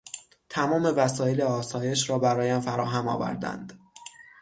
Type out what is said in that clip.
تمام وسایل آسایش را برایم فراهم آوردند.